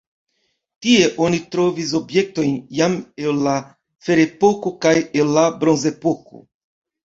Tie oni trovis objektojn jam el la ferepoko kaj el la bronzepoko.